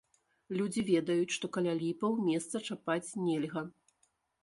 Людзі ведаюць, што каля ліпаў месца чапаць нельга.